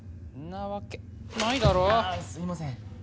あすいません。